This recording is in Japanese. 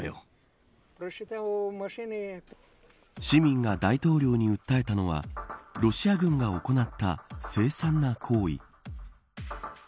市民が大統領に訴えたのはロシア軍が行った凄惨な行為。